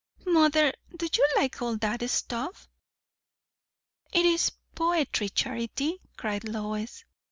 Mother, do you like all that stuff?" "It is poetry, Charity," cried Lois.